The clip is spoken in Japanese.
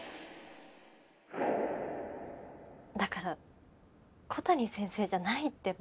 だから小谷先生じゃないってば。